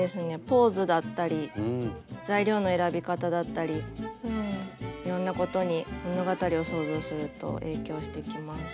ポーズだったり材料の選び方だったりいろんなことに物語を想像すると影響してきます。